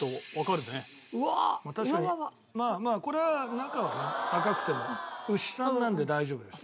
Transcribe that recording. まあこれは中はね赤くても牛さんなんで大丈夫です。